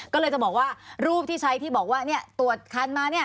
ก็เลยจะบอกว่ารูปที่ใช้ที่บอกว่าตรวจคันมาเนี่ย